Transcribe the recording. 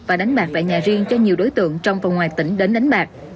và đánh bạc tại nhà riêng cho nhiều đối tượng trong và ngoài tỉnh đến đánh bạc